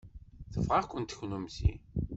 Tebɣa-kent kennemti.